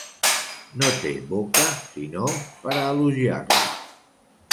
No té boca sinó per a elogiar-lo!